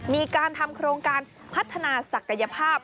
มีการทำโครงการพัฒนาศักยภาพ